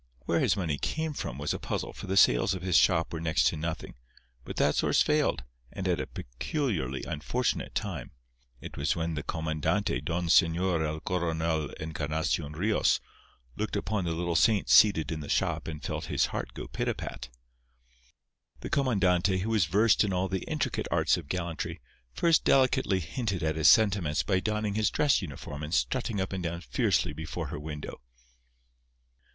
Where his money came from was a puzzle, for the sales of his shop were next to nothing, but that source failed, and at a peculiarly unfortunate time. It was when the comandante, Don Señor el Coronel Encarnación Rios, looked upon the little saint seated in the shop and felt his heart go pitapat. The comandante, who was versed in all the intricate arts of gallantry, first delicately hinted at his sentiments by donning his dress uniform and strutting up and down fiercely before her window.